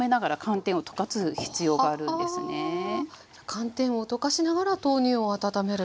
寒天を溶かしながら豆乳を温めると。